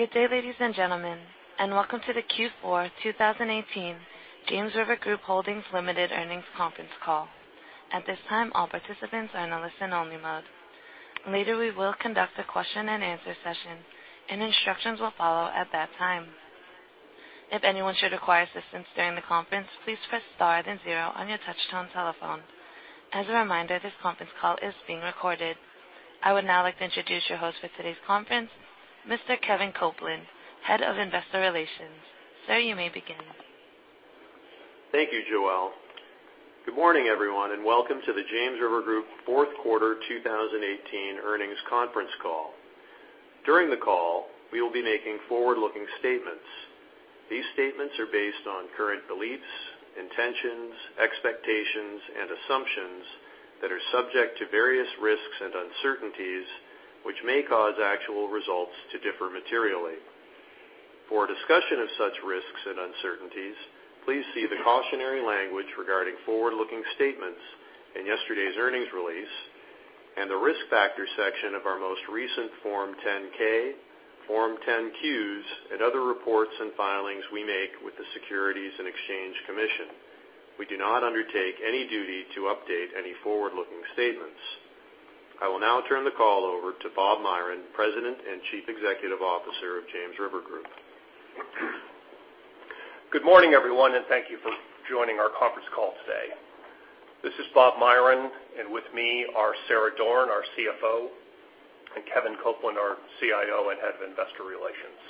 Good day, ladies and gentlemen, and welcome to the Q4 2018 James River Group Holdings, Ltd. earnings conference call. At this time, all participants are in listen only mode. Later, we will conduct a question and answer session, and instructions will follow at that time. If anyone should require assistance during the conference, please press star then zero on your touch-tone telephone. As a reminder, this conference call is being recorded. I would now like to introduce your host for today's conference, Mr. Kevin Copeland, Head of Investor Relations. Sir, you may begin. Thank you, Joelle. Good morning, everyone, and welcome to the James River Group fourth quarter 2018 earnings conference call. During the call, we will be making forward-looking statements. These statements are based on current beliefs, intentions, expectations, and assumptions that are subject to various risks and uncertainties, which may cause actual results to differ materially. For a discussion of such risks and uncertainties, please see the cautionary language regarding forward-looking statements in yesterday's earnings release and the Risk Factors section of our most recent Form 10-K, Form 10-Q, and other reports and filings we make with the Securities and Exchange Commission. We do not undertake any duty to update any forward-looking statements. I will now turn the call over to Robert Myron, President and Chief Executive Officer of James River Group. Good morning, everyone, and thank you for joining our conference call today. This is Robert Myron, and with me are Sarah Doran, our CFO, and Kevin Copeland, our CIO and Head of Investor Relations.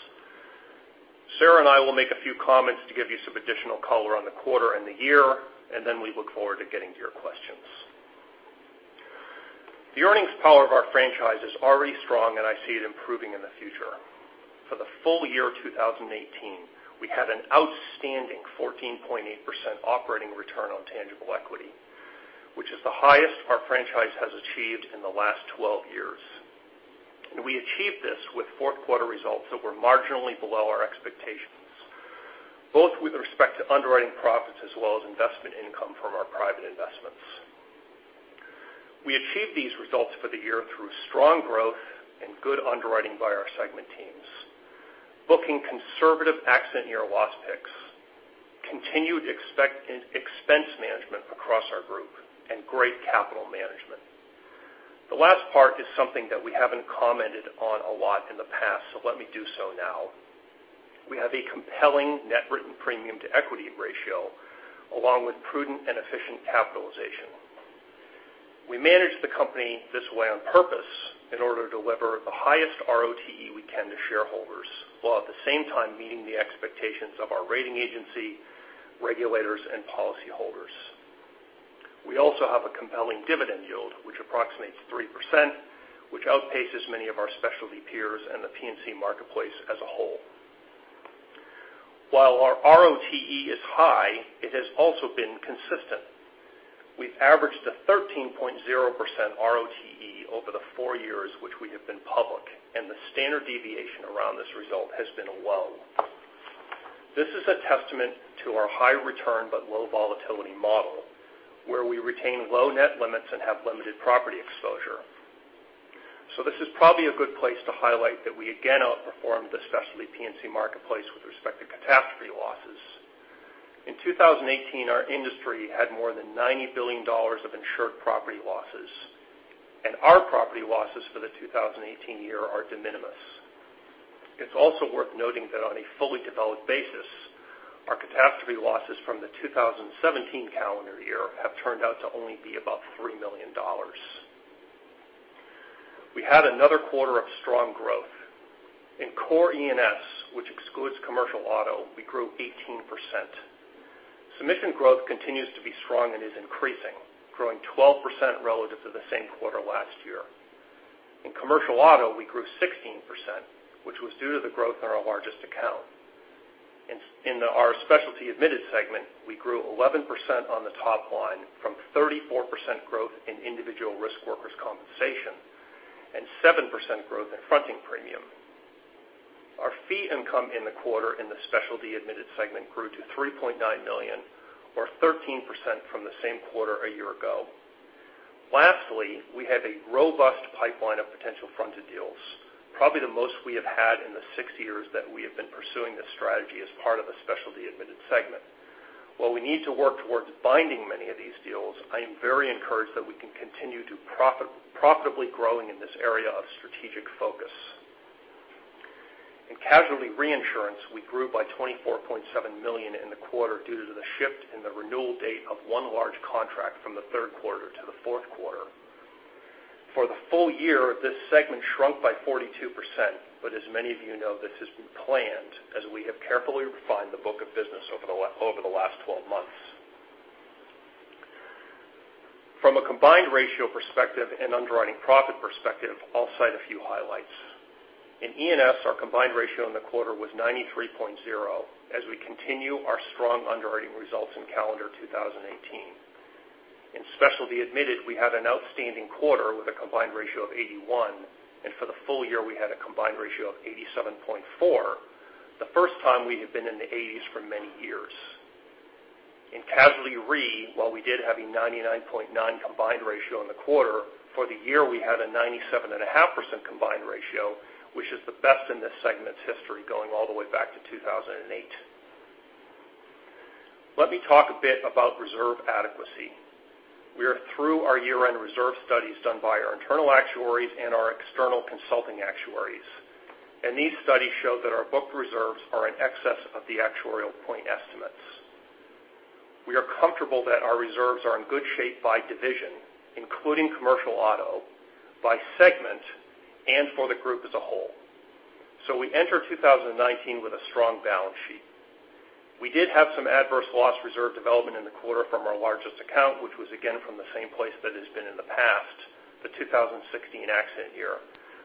Sarah and I will make a few comments to give you some additional color on the quarter and the year. Then we look forward to getting to your questions. The earnings power of our franchise is already strong, and I see it improving in the future. For the full year 2018, we had an outstanding 14.8% operating return on tangible equity, which is the highest our franchise has achieved in the last 12 years. We achieved this with fourth-quarter results that were marginally below our expectations, both with respect to underwriting profits as well as investment income from our private investments. We achieved these results for the year through strong growth and good underwriting by our segment teams, booking conservative accident year loss picks, continued expense management across our group, and great capital management. The last part is something that we haven't commented on a lot in the past, so let me do so now. We have a compelling net written premium to equity ratio, along with prudent and efficient capitalization. We manage the company this way on purpose in order to deliver the highest ROTE we can to shareholders, while at the same time meeting the expectations of our rating agency, regulators, and policyholders. We also have a compelling dividend yield, which approximates 3%, which outpaces many of our specialty peers in the P&C marketplace as a whole. While our ROTE is high, it has also been consistent. We've averaged a 13.0% ROTE over the four years which we have been public, and the standard deviation around this result has been low. This is a testament to our high return but low volatility model, where we retain low net limits and have limited property exposure. This is probably a good place to highlight that we again outperformed the specialty P&C marketplace with respect to catastrophe losses. In 2018, our industry had more than $90 billion of insured property losses, and our property losses for the 2018 year are de minimis. It's also worth noting that on a fully developed basis, our catastrophe losses from the 2017 calendar year have turned out to only be about $3 million. We had another quarter of strong growth. In core E&S, which excludes commercial auto, we grew 18%. Submission growth continues to be strong and is increasing, growing 12% relative to the same quarter last year. In commercial auto, we grew 16%, which was due to the growth in our largest account. In our specialty admitted segment, we grew 11% on the top line from 34% growth in individual risk workers' compensation and 7% growth in fronting premium. Our fee income in the quarter in the specialty admitted segment grew to $3.9 million, or 13% from the same quarter a year ago. Lastly, we have a robust pipeline of potential fronted deals, probably the most we have had in the six years that we have been pursuing this strategy as part of the specialty admitted segment. While we need to work towards binding many of these deals, I am very encouraged that we can continue to profitably grow in this area of strategic focus. In Casualty Re, we grew by $24.7 million in the quarter due to the shift in the renewal date of one large contract from the third quarter to the fourth quarter. For the full year, this segment shrunk by 42%, but as many of you know, this has been planned as we have carefully refined the book of business over the 12 months. From a combined ratio perspective and underwriting profit perspective, I'll cite a few highlights. In ENS, our combined ratio in the quarter was 93.0% as we continue our strong underwriting results in calendar 2018. In specialty admitted, we had an outstanding quarter with a combined ratio of 81%, and for the full year, we had a combined ratio of 87.4%, the first time we have been in the 80s for many years. In Casualty Re, while we did have a 99.9% combined ratio in the quarter, for the year, we had a 97.5% combined ratio, which is the best in this segment's history going all the way back to 2008. Let me talk a bit about reserve adequacy. We are through our year-end reserve studies done by our internal actuaries and our external consulting actuaries, and these studies show that our book reserves are in excess of the actuarial point estimates. We are comfortable that our reserves are in good shape by division, including commercial auto, by segment, and for the group as a whole. We enter 2019 with a strong balance sheet. We did have some adverse loss reserve development in the quarter from our largest account, which was again from the same place that it's been in the past, the 2016 accident year.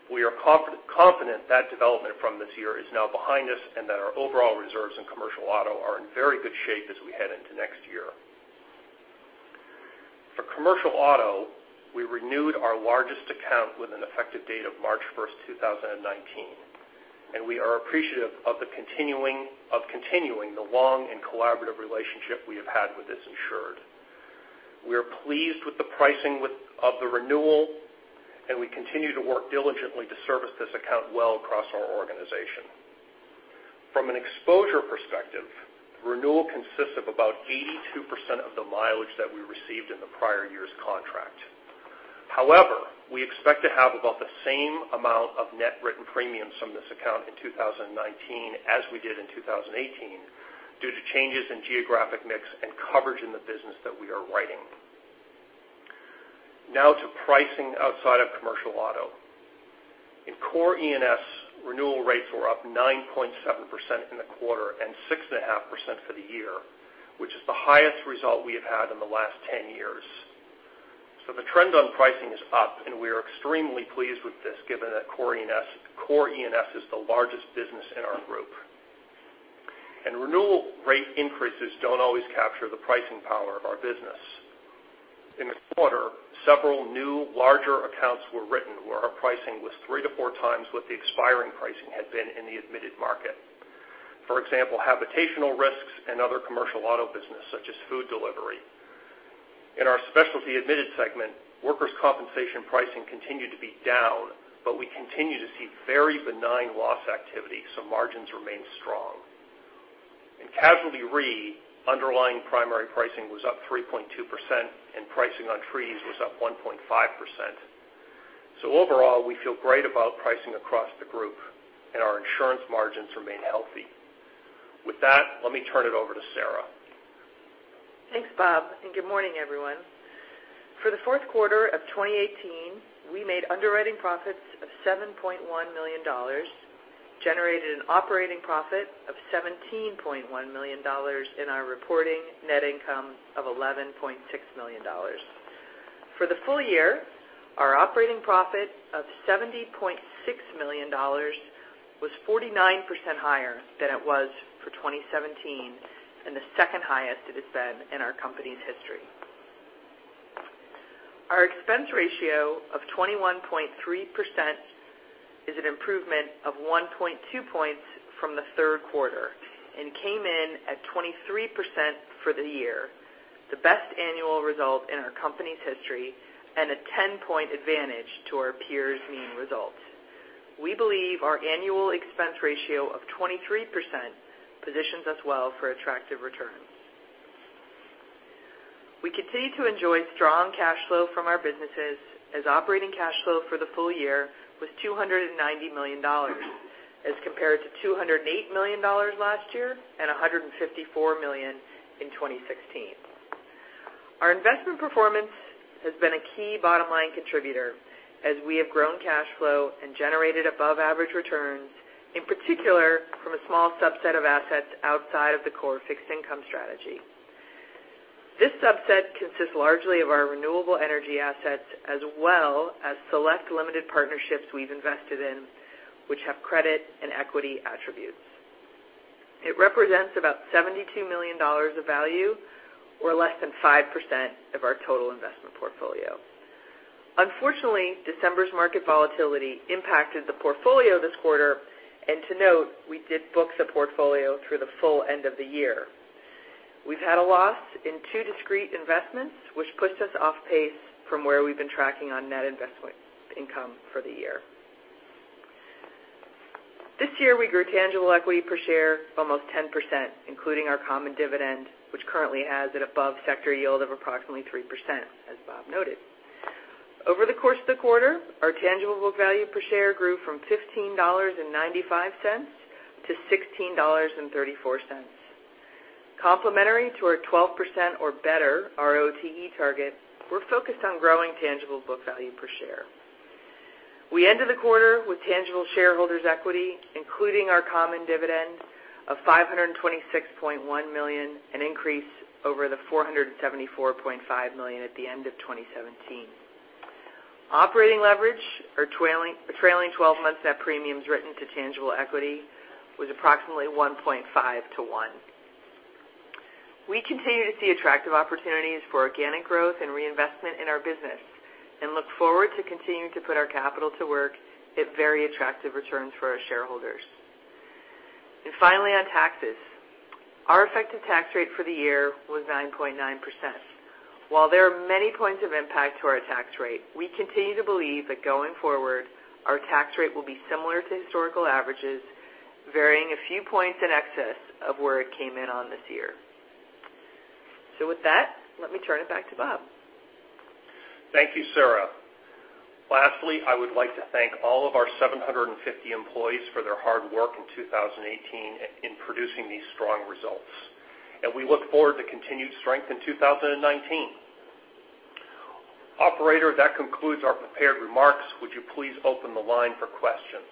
We are confident that development from this year is now behind us and that our overall reserves in commercial auto are in very good shape as we head into next year. For commercial auto, we renewed our largest account with an effective date of March 1st, 2019, and we are appreciative of continuing the long and collaborative relationship we have had with this insured. We are pleased with the pricing of the renewal, and we continue to work diligently to service this account well across our organization. From an exposure perspective, the renewal consists of about 82% of the mileage that we received in the prior year's contract. However, we expect to have about the same amount of net written premiums from this account in 2019 as we did in 2018 due to changes in geographic mix and coverage in the business that we are writing. To pricing outside of commercial auto. In core E&S, renewal rates were up 9.7% in the quarter and 6.5% for the year, which is the highest result we have had in the last 10 years. The trend on pricing is up, and we are extremely pleased with this given that core E&S is the largest business in our group. Renewal rate increases don't always capture the pricing power of our business. In the quarter, several new larger accounts were written where our pricing was 3 to 4 times what the expiring pricing had been in the admitted market. For example, habitational risks and other commercial auto business such as food delivery. In our specialty admitted segment, workers' compensation pricing continued to be down, but we continue to see very benign loss activity, margins remain strong. In Casualty Re, underlying primary pricing was up 3.2%, and pricing on treaties was up 1.5%. Overall, we feel great about pricing across the group, and our insurance margins remain healthy. With that, let me turn it over to Sarah. Thanks, Bob, good morning, everyone. For the fourth quarter of 2018, we made underwriting profits of $7.1 million, generated an operating profit of $17.1 million, and our reporting net income of $11.6 million. For the full year, our operating profit of $70.6 million was 49% higher than it was for 2017 and the second highest it has been in our company's history. Our expense ratio of 21.3% is an improvement of 1.2 points from the third quarter and came in at 23% for the year, the best annual result in our company's history and a 10-point advantage to our peers' mean results. We believe our annual expense ratio of 23% positions us well for attractive returns. We continue to enjoy strong cash flow from our businesses as operating cash flow for the full year was $290 million as compared to $208 million last year and $154 million in 2016. Our investment performance has been a key bottom-line contributor as we have grown cash flow and generated above-average returns, in particular from a small subset of assets outside of the core fixed income strategy. This subset consists largely of our renewable energy assets, as well as select limited partnerships we've invested in which have credit and equity attributes. It represents about $72 million of value or less than 5% of our total investment portfolio. Unfortunately, December's market volatility impacted the portfolio this quarter, to note, we did book the portfolio through the full end of the year. We've had a loss in two discrete investments, which puts us off pace from where we've been tracking on net investment income for the year. This year, we grew tangible equity per share almost 10%, including our common dividend, which currently has an above-sector yield of approximately 3%, as Bob noted. Over the course of the quarter, our tangible book value per share grew from $15.95 to $16.34. Complementary to our 12% or better ROTE target, we're focused on growing tangible book value per share. We ended the quarter with tangible shareholders' equity, including our common dividend of $526.1 million, an increase over the $474.5 million at the end of 2017. Operating leverage or trailing 12 months net premiums written to tangible equity was approximately 1.5 to 1. We continue to see attractive opportunities for organic growth and reinvestment in our business and look forward to continuing to put our capital to work at very attractive returns for our shareholders. Finally, on taxes. Our effective tax rate for the year was 9.9%. While there are many points of impact to our tax rate, we continue to believe that going forward, our tax rate will be similar to historical averages, varying a few points in excess of where it came in on this year. With that, let me turn it back to Bob. Thank you, Sarah. Lastly, I would like to thank all of our 750 employees for their hard work in 2018 in producing these strong results. We look forward to continued strength in 2019. Operator, that concludes our prepared remarks. Would you please open the line for questions?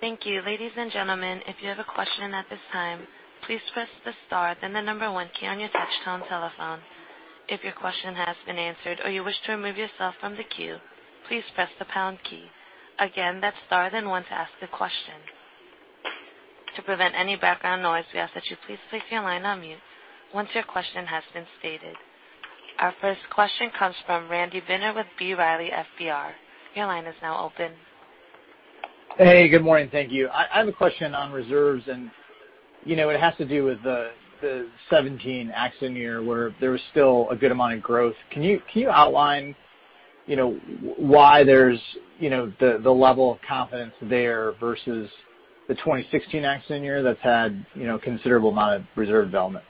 Thank you. Ladies and gentlemen, if you have a question at this time, please press the star then the number one key on your touchtone telephone. If your question has been answered or you wish to remove yourself from the queue, please press the pound key. Again, that's star then one to ask a question. To prevent any background noise, we ask that you please place your line on mute once your question has been stated. Our first question comes from Randy Binner with B. Riley FBR. Your line is now open. Hey, good morning. Thank you. I have a question on reserves, and it has to do with the 2017 accident year, where there was still a good amount of growth. Can you outline why there's the level of confidence there versus the 2016 accident year that's had considerable amount of reserve development?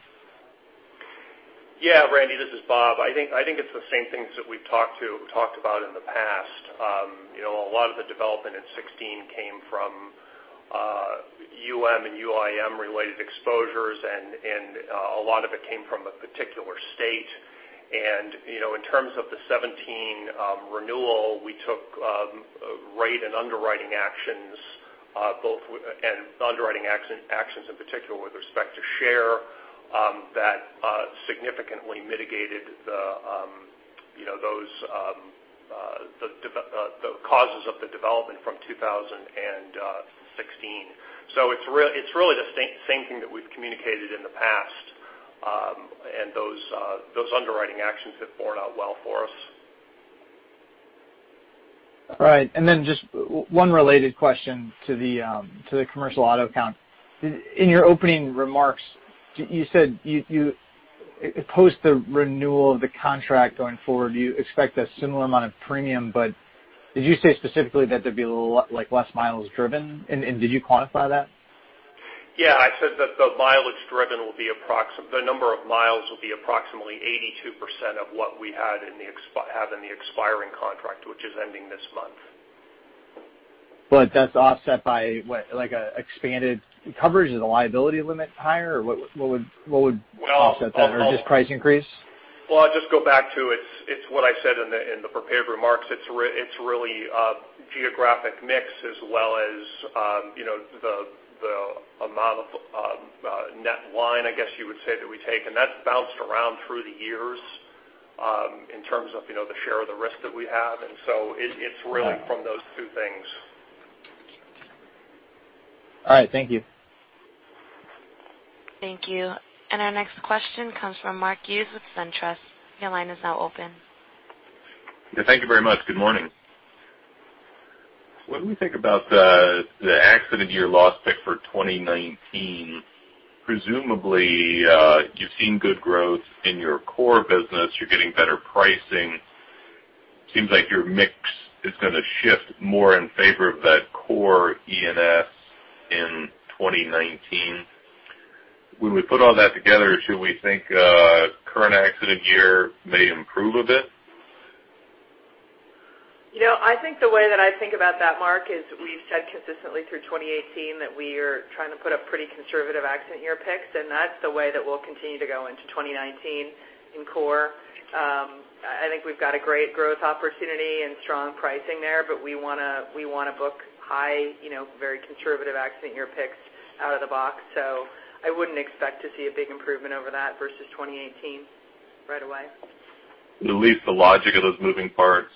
Yeah, Randy. This is Bob. I think it's the same things that we've talked about in the past. A lot of the development in 2016 came from UM and UIM-related exposures, and a lot of it came from a particular state. In terms of the 2017 renewal, we took rate and underwriting actions, and underwriting actions in particular with respect to share, that significantly mitigated the causes of the development from 2016. It's really the same thing that we've communicated in the past. Those underwriting actions have borne out well for us. All right. Then just one related question to the commercial auto account. In your opening remarks, you said post the renewal of the contract going forward, you expect a similar amount of premium. Did you say specifically that there'd be less miles driven, and did you quantify that? Yeah. I said that the number of miles will be approximately 82% of what we had in the expiring contract, which is ending this month. That's offset by what? Like expanded coverage? Is the liability limit higher, or what would offset that? Or just price increase? Well, I'll just go back to it. It's what I said in the prepared remarks. It's really geographic mix as well as the amount of net line, I guess you would say, that we take. That's bounced around through the years in terms of the share of the risk that we have. It's really from those two things. All right. Thank you. Thank you. Our next question comes from Mark Hughes with SunTrust. Your line is now open. Yeah, thank you very much. Good morning. When we think about the accident year loss pick for 2019, presumably, you've seen good growth in your core business. You're getting better pricing. Seems like your mix is going to shift more in favor of that core E&S in 2019. When we put all that together, should we think current accident year may improve a bit? I think the way that I think about that, Mark, is we've said consistently through 2018 that we are trying to put a pretty conservative accident year picks. That's the way that we'll continue to go into 2019 in core. I think we've got a great growth opportunity and strong pricing there. We want to book high, very conservative accident year picks out of the box. I wouldn't expect to see a big improvement over that versus 2018 right away. At least the logic of those moving parts,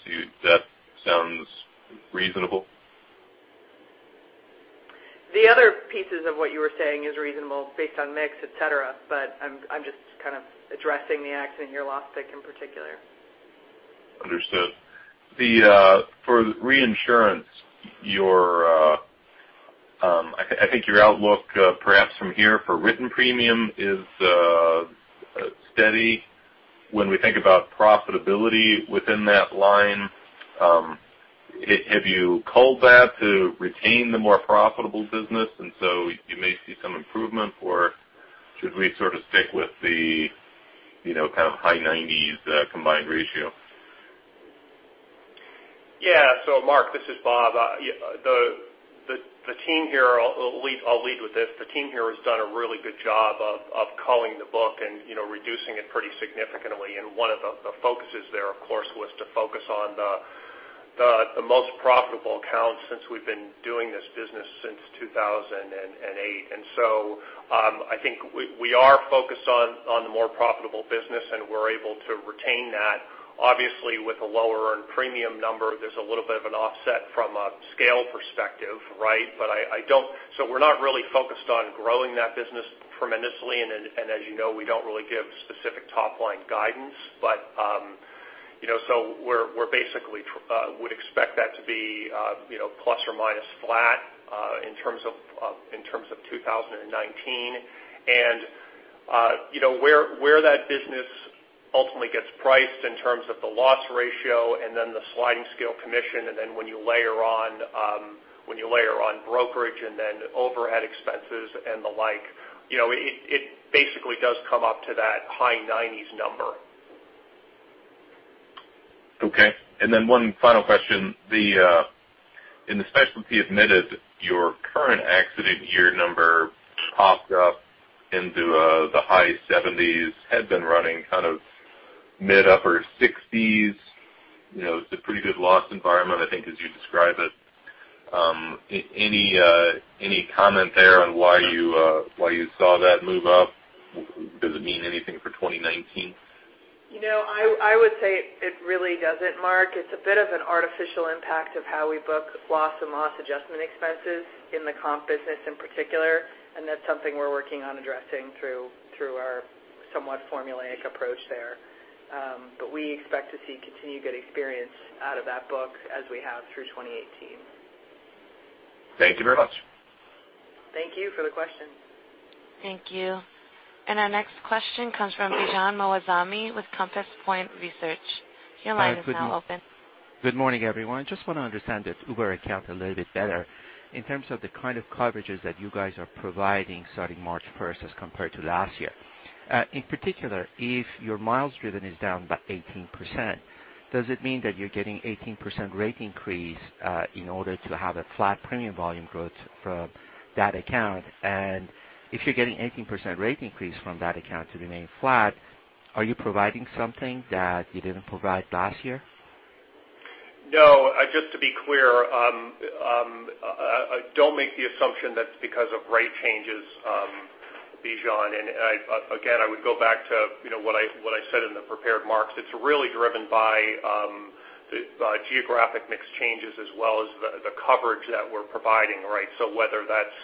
that sounds reasonable. The other pieces of what you were saying is reasonable based on mix, et cetera. I'm just kind of addressing the accident year loss pick in particular. Understood. For reinsurance, I think your outlook perhaps from here for written premium is steady. When we think about profitability within that line, have you culled that to retain the more profitable business, and so you may see some improvement, or should we sort of stick with the kind of high 90s combined ratio? Yeah. Mark, this is Bob. I'll lead with this. The team here has done a really good job of culling the book and reducing it pretty significantly, and one of the focuses there, of course, was to focus on the most profitable accounts since we've been doing this business since 2008. I think we are focused on the more profitable business, and we're able to retain that. Obviously, with a lower earned premium number, there's a little bit of an offset from a scale perspective, right? We're not really focused on growing that business tremendously, and as you know, we don't really give specific top-line guidance. We basically would expect that to be plus or minus flat in terms of 2019. Where that business ultimately gets priced in terms of the loss ratio and then the sliding scale commission, and then when you layer on brokerage and then overhead expenses and the like, it basically does come up to that high 90s number. Okay. One final question. In the specialty admitted, your current accident year number popped up into the high 70s, had been running mid upper 60s. It's a pretty good loss environment, I think, as you describe it. Any comment there on why you saw that move up? Does it mean anything for 2019? I would say it really doesn't, Mark. It's a bit of an artificial impact of how we book loss and loss adjustment expenses in the comp business in particular, and that's something we're working on addressing through our somewhat formulaic approach there. We expect to see continued good experience out of that book as we have through 2018. Thank you very much. Thank you for the question. Thank you. Our next question comes from Bijan Moazami with Compass Point Research. Your line is now open. Good morning, everyone. Just want to understand this Uber account a little bit better in terms of the kind of coverages that you guys are providing starting March 1st as compared to last year. In particular, if your miles driven is down by 18%, does it mean that you're getting 18% rate increase in order to have a flat premium volume growth from that account? If you're getting 18% rate increase from that account to remain flat, are you providing something that you didn't provide last year? No, just to be clear, don't make the assumption that it's because of rate changes, Bijan, and again, I would go back to what I said in the prepared marks. It's really driven by geographic mix changes as well as the coverage that we're providing. Whether that's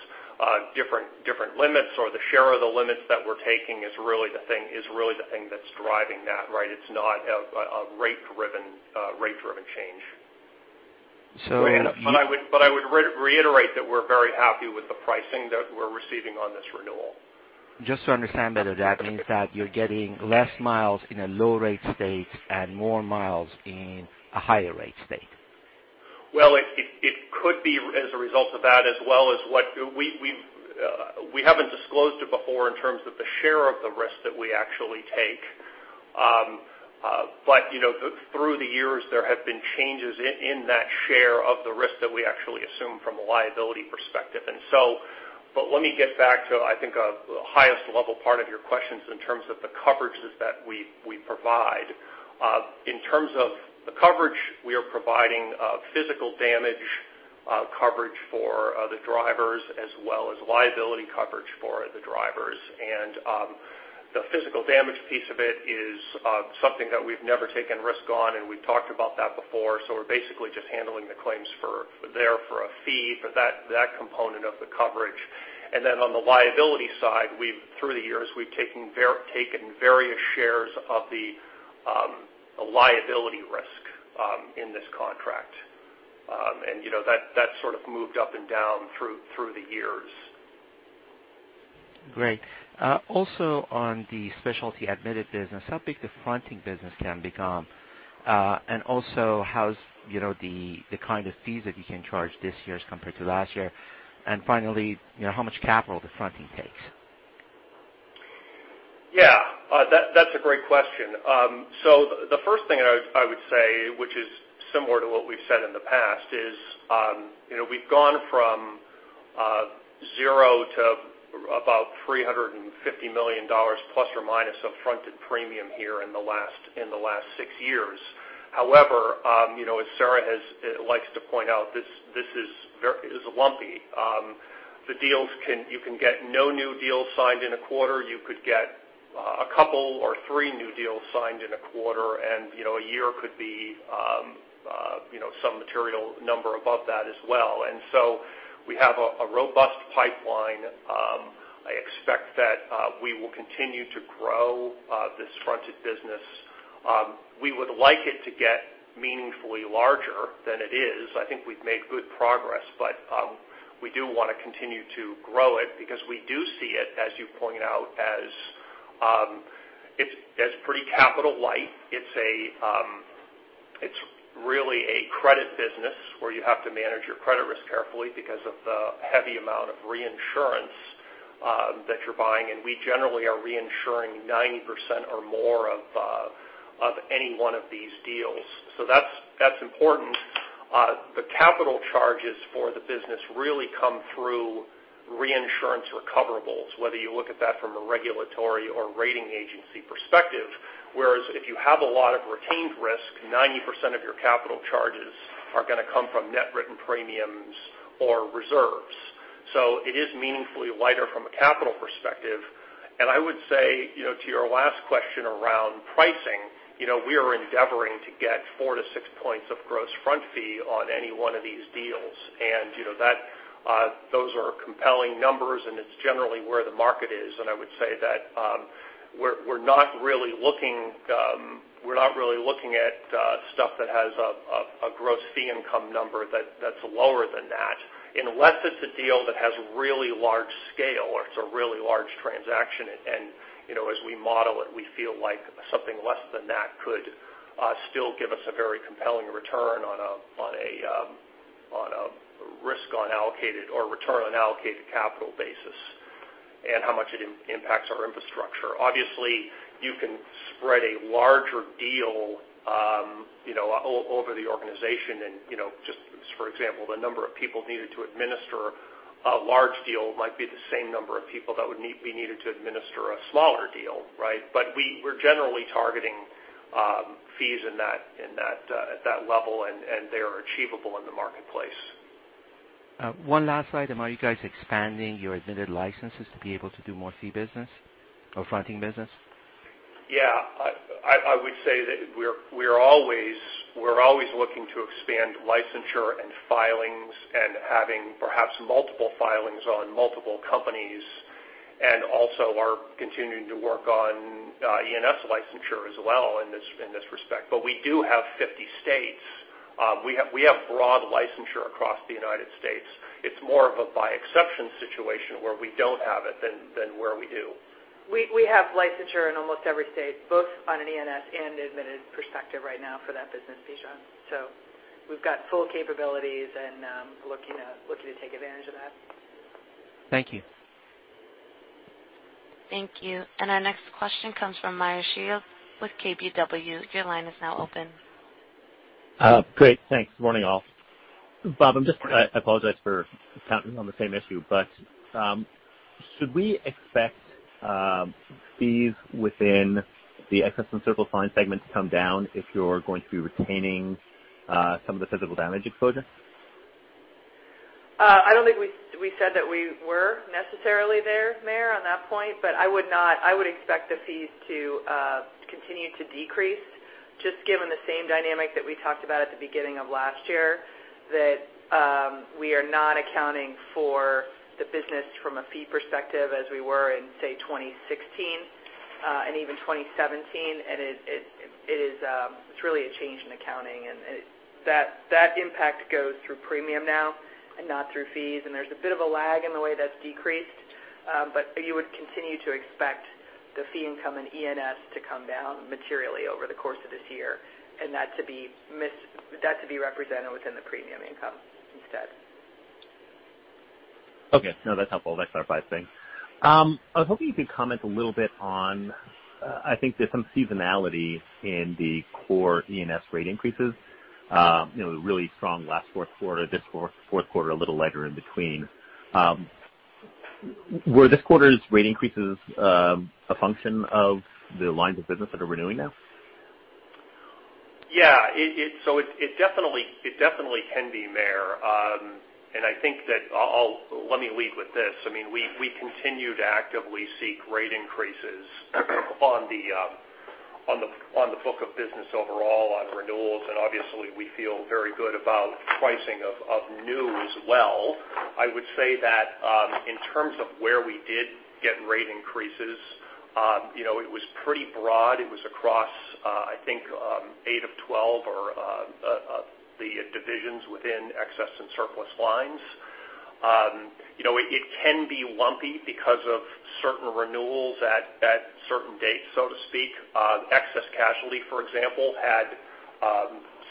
different limits or the share of the limits that we're taking is really the thing that's driving that. It's not a rate-driven change. So- I would reiterate that we're very happy with the pricing that we're receiving on this renewal. Just to understand better, that means that you're getting less miles in a low rate state and more miles in a higher rate state. Well, it could be as a result of that as well as what we haven't disclosed it before in terms of the share of the risk that we actually take. Through the years, there have been changes in that share of the risk that we actually assume from a liability perspective. Let me get back to, I think, the highest level part of your questions in terms of the coverages that we provide. In terms of the coverage, we are providing physical damage coverage for the drivers as well as liability coverage for the drivers. The physical damage piece of it is something that we've never taken risk on, and we've talked about that before. We're basically just handling the claims there for a fee for that component of the coverage. On the liability side, through the years, we've taken various shares of the liability risk in this contract. That sort of moved up and down through the years. Great. Also on the specialty admitted business, how big the fronting business can become? Also how's the kind of fees that you can charge this year as compared to last year? Finally, how much capital the fronting takes? Yeah. That's a great question. The first thing I would say, which is similar to what we've said in the past, is we've gone from zero to about $350 million plus or minus of fronted premium here in the last six years. However, as Sarah likes to point out, this is lumpy. You can get no new deals signed in a quarter. You could get a couple or three new deals signed in a quarter, and a year could be some material number above that as well. We have a robust pipeline. I expect that we will continue to grow this fronted business. We would like it to get meaningfully larger than it is. I think we've made good progress, but we do want to continue to grow it because we do see it, as you point out, as pretty capital light. It's really a credit business where you have to manage your credit risk carefully because of the heavy amount of reinsurance that you're buying, and we generally are reinsuring 90% or more of any one of these deals. That's important. The capital charges for the business really come through reinsurance recoverables, whether you look at that from a regulatory or rating agency perspective, whereas if you have a lot of retained risk, 90% of your capital charges are going to come from net written premiums or reserves. It is meaningfully lighter from a capital perspective. I would say to your last question around pricing, we are endeavoring to get four to six points of gross front fee on any one of these deals. Those are compelling numbers, and it's generally where the market is. I would say that we're not really looking at stuff that has a gross fee income number that's lower than that, unless it's a deal that has really large scale or it's a really large transaction. As we model it, we feel like something less than that could still give us a very compelling return on a risk on allocated or return on allocated capital basis, and how much it impacts our infrastructure. Obviously, you can spread a larger deal over the organization and just for example, the number of people needed to administer a large deal might be the same number of people that would be needed to administer a smaller deal. We're generally targeting fees at that level, and they are achievable in the marketplace. One last item. Are you guys expanding your admitted licenses to be able to do more fee business or fronting business? Yeah. I would say that we're always looking to expand licensure and filings and having perhaps multiple filings on multiple companies, and also are continuing to work on E&S licensure as well in this respect. We do have 50 states. We have broad licensure across the United States. It's more of a by exception situation where we don't have it than where we do. We have licensure in almost every state, both on an E&S and admitted perspective right now for that business, Bijan. We've got full capabilities and looking to take advantage of that. Thank you. Thank you. Our next question comes from Meyer Shields with KBW. Your line is now open. Great. Thanks. Good morning, all. Bob, I apologize for counting on the same issue, should we expect fees within the Excess and Surplus Lines segment to come down if you're going to be retaining some of the physical damage exposure? I don't think we said that we were necessarily there, Meyer, on that point, I would expect the fees to continue to decrease just given the same dynamic that we talked about at the beginning of last year, that we are not accounting for the business from a fee perspective as we were in, say, 2016 and even 2017. It's really a change in accounting, that impact goes through premium now and not through fees. There's a bit of a lag in the way that's decreased. You would continue to expect the fee income in E&S to come down materially over the course of this year, and that to be represented within the premium income instead. Okay. No, that's helpful. That clarifies things. I was hoping you could comment a little bit on, I think there's some seasonality in the core E&S rate increases. Really strong last fourth quarter, this fourth quarter, a little lighter in between. Were this quarter's rate increases a function of the lines of business that are renewing now? Yeah. It definitely can be, Meyer. I think that, let me lead with this. We continue to actively seek rate increases on the book of business overall on renewals, obviously, we feel very good about pricing of new as well. I would say that in terms of where we did get rate increases, it was pretty broad. It was across, I think, eight of 12 or the divisions within Excess and Surplus Lines. It can be lumpy because of certain renewals at certain dates, so to speak. Excess casualty, for example, had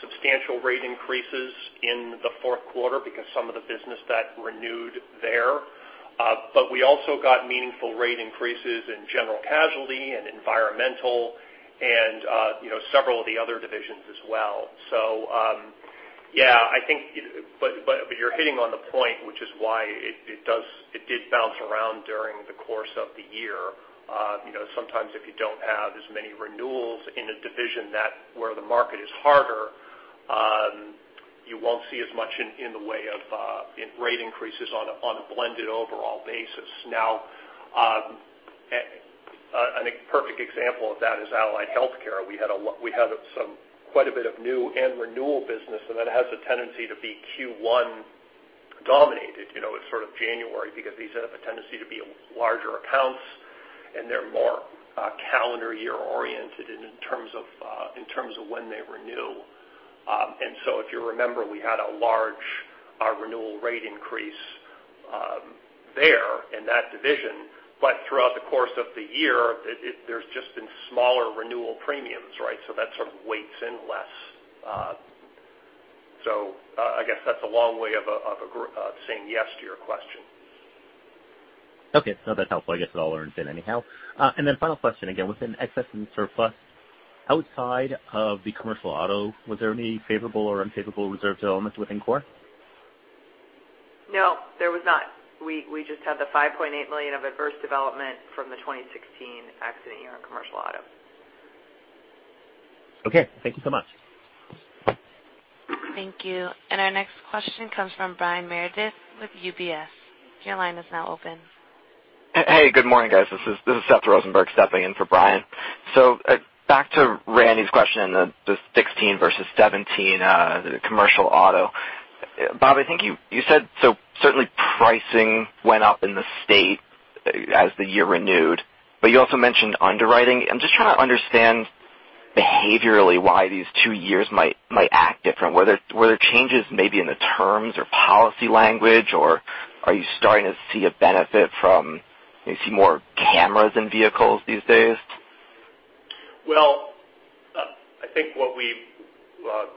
substantial rate increases in the fourth quarter because some of the business that renewed there. We also got meaningful rate increases in general casualty and environmental and several of the other divisions as well. You're hitting on the point, which is why it did bounce around during the course of the year. Sometimes if you don't have as many renewals in a division where the market is harder, you won't see as much in the way of rate increases on a blended overall basis. I think a perfect example of that is Allied Healthcare. We had quite a bit of new and renewal business, and that has a tendency to be Q1 dominated in sort of January because these have a tendency to be larger accounts, and they're more calendar year oriented in terms of when they renew. If you remember, we had a large renewal rate increase there in that division. Throughout the course of the year, there's just been smaller renewal premiums. That sort of weights in less. I guess that's a long way of saying yes to your question. Okay. No, that's helpful. I guess it all earns in anyhow. Final question, again, within Excess and Surplus Lines, outside of the commercial auto, was there any favorable or unfavorable reserve developments within core? No, there was not. We just had the $5.8 million of adverse development from the 2016 accident year on commercial auto. Okay. Thank you so much. Thank you. Our next question comes from Brian Meredith with UBS. Your line is now open. Hey, good morning, guys. This is Seth Rosenberg stepping in for Brian. Back to Randy's question, the 2016 versus 2017 commercial auto. Bob, I think you said certainly pricing went up in the state as the year renewed, but you also mentioned underwriting. I'm just trying to understand behaviorally why these two years might act different. Were there changes maybe in the terms or policy language, or are you starting to see a benefit from maybe seeing more cameras in vehicles these days? Well,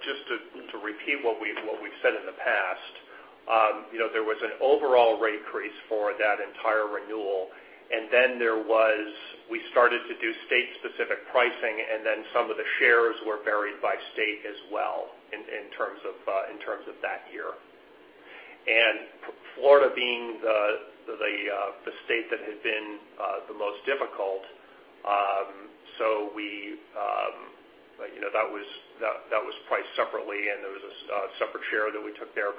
just to repeat what we've said in the past, there was an overall rate increase for that entire renewal, and then we started to do state-specific pricing, and then some of the shares were varied by state as well in terms of that year. Florida being the state that had been the most difficult, so that was priced separately, and there was a separate share that we took there.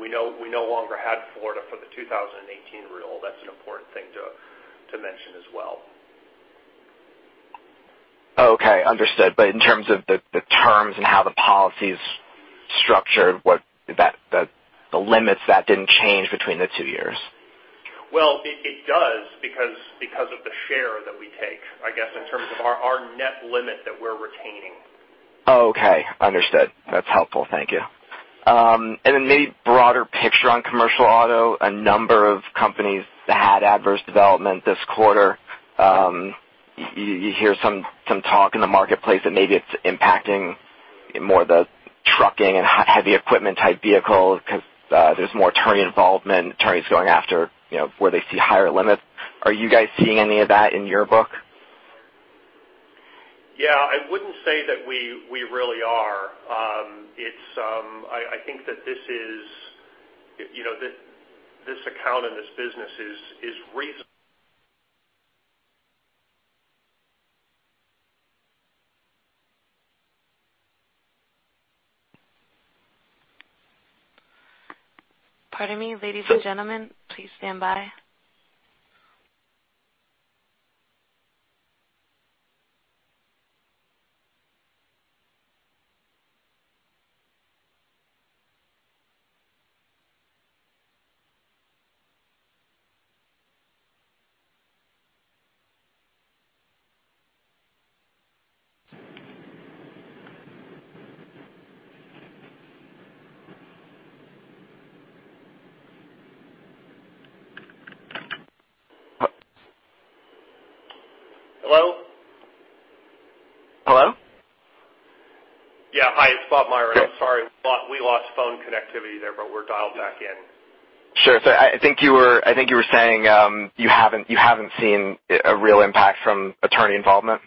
We no longer had Florida for the 2018 renewal. That's an important thing to mention as well. Okay. Understood. In terms of the terms and how the policy's structured, the limits, that didn't change between the two years? Well, it does because of the share that we take, I guess, in terms of our net limit that we're retaining. Oh, okay. Understood. That's helpful. Thank you. Maybe broader picture on commercial auto, a number of companies had adverse development this quarter. You hear some talk in the marketplace that maybe it's impacting more the trucking and heavy equipment type vehicles because there's more attorney involvement, attorneys going after where they see higher limits. Are you guys seeing any of that in your book? Yeah, I wouldn't say that we really are. I think that this account and this business is recent. Pardon me, ladies and gentlemen, please stand by. Hello? Hello? Hi, it's Robert Myron. I'm sorry. We lost phone connectivity there, but we're dialed back in. Sure. I think you were saying, you haven't seen a real impact from attorney involvement?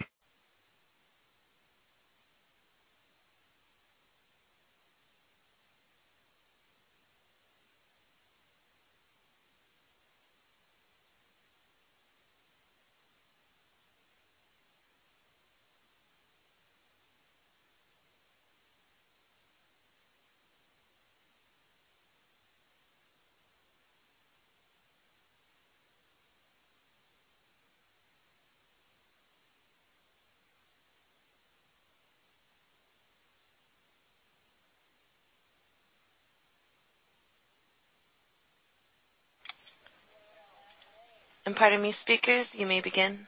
Pardon me, speakers, you may begin.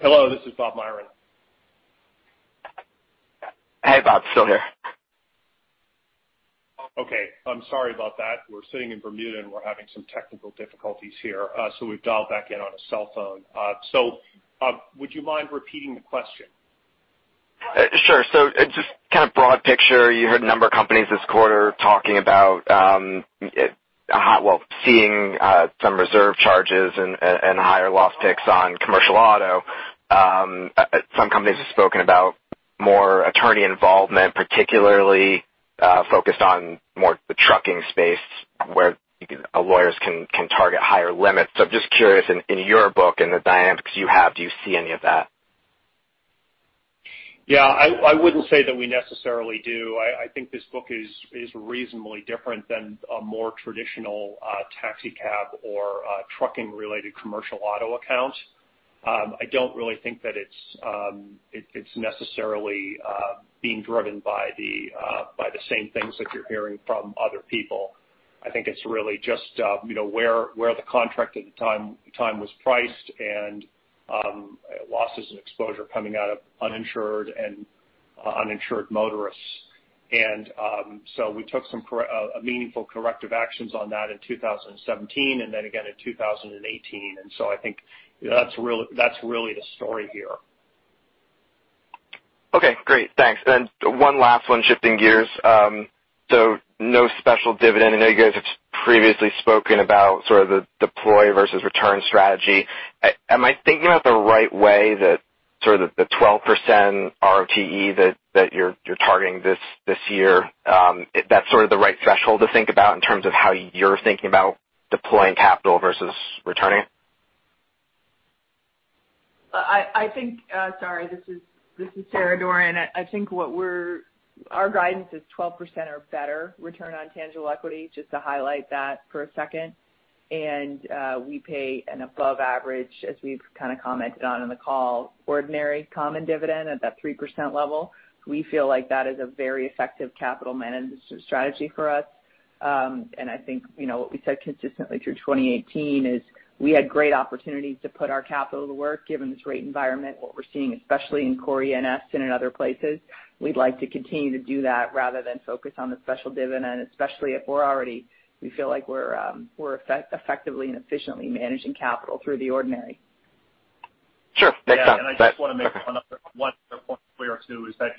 Hello, this is Robert Myron. Hey, Bob. Still here. Okay. I'm sorry about that. We're sitting in Bermuda, and we're having some technical difficulties here. We've dialed back in on a cell phone. Would you mind repeating the question? Sure. Just broad picture, you heard a number of companies this quarter talking about seeing some reserve charges and higher loss picks on commercial auto. Some companies have spoken about more attorney involvement, particularly focused on more the trucking space, where lawyers can target higher limits. I'm just curious in your book and the dynamics you have, do you see any of that? Yeah, I wouldn't say that we necessarily do. I think this book is reasonably different than a more traditional taxi cab or trucking-related commercial auto account. I don't really think that it's necessarily being driven by the same things that you're hearing from other people. I think it's really just where the contract at the time was priced and losses and exposure coming out of uninsured and underinsured motorists. We took some meaningful corrective actions on that in 2017 and then again in 2018. I think that's really the story here. Okay, great. Thanks. One last one, shifting gears. No special dividend. I know you guys have previously spoken about sort of the deploy versus return strategy. Am I thinking about the right way that sort of the 12% ROTE that you're targeting this year, that's sort of the right threshold to think about in terms of how you're thinking about deploying capital versus returning? Sorry, this is Sarah Doran. I think our guidance is 12% or better return on tangible equity, just to highlight that for a second. We pay an above average, as we've commented on in the call, ordinary common dividend at that 3% level. We feel like that is a very effective capital management strategy for us. I think what we said consistently through 2018 is we had great opportunities to put our capital to work given this rate environment, what we're seeing especially in core E&S and in other places. We'd like to continue to do that rather than focus on the special dividend, especially if we feel like we're effectively and efficiently managing capital through the ordinary. Sure. Makes sense. Yeah, I just want to make one other point clear too, is that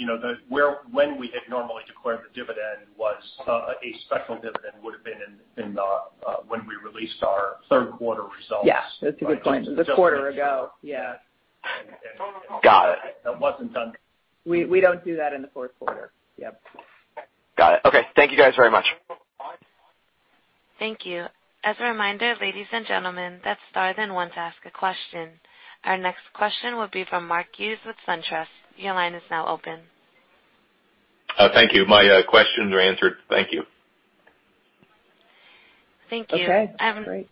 when we had normally declared the dividend was a special dividend would've been when we released our third quarter results. Yes, that's a good point. A quarter ago, yeah. Got it. That wasn't done. We don't do that in the fourth quarter. Yep. Got it. Okay. Thank you guys very much. Thank you. As a reminder, ladies and gentlemen, that star then one to ask a question. Our next question will be from Mark Hughes with SunTrust. Your line is now open. Thank you. My questions are answered. Thank you. Thank you. Okay, great.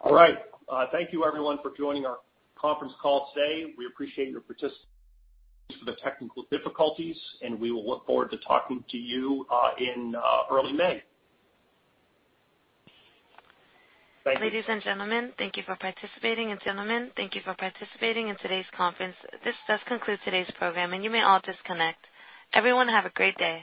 All right. Thank you everyone for joining our conference call today. We appreciate your participation, for the technical difficulties, and we will look forward to talking to you in early May. Thank you. Ladies and gentlemen, thank you for participating in today's conference. This does conclude today's program, and you may all disconnect. Everyone have a great day.